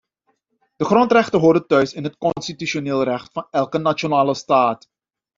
De grondrechten horen thuis in het constitutioneel recht van elke nationale staat.